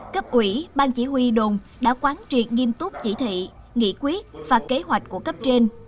cấp ủy bang chỉ huy đồn đã quán triệt nghiêm túc chỉ thị nghị quyết và kế hoạch của cấp trên